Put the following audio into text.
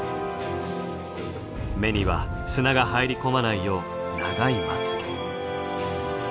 目には砂が入り込まないよう長いまつげ。